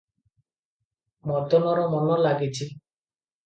ମଦନର ମନ ଲାଗିଛି ।